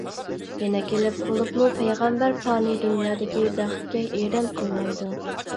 يەنە كېلىپ، بولۇپمۇ پەيغەمبەر پانىي دۇنيادىكى بەختكە ئېرەن قىلمايدۇ.